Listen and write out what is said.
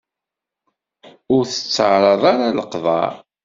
Ur tettaraḍ ara leqḍa.